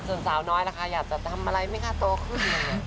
ส่วนสาวน้อยแหละค่ะอยากจะทำอะไรไม่ค่าโตขึ้นอย่างนี้